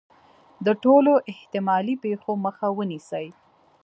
د ټولو احتمالي پېښو مخه ونیسي.